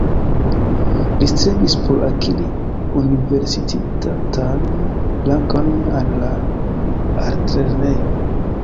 Li strebis por akiri universitatan rangon al la altlernejo.